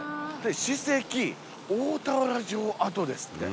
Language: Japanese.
「史跡大田原城跡」ですって。